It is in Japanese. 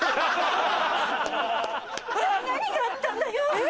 ⁉何があったんだよ！